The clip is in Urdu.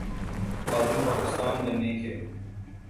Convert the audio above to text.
خادم پاکستان بننے کے۔